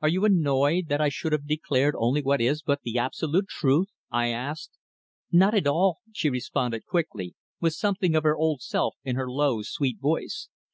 "Are you annoyed that I should have declared only what is but the absolute truth?" I asked. "Not at all," she responded quickly, with something of her old self in her low, sweet voice.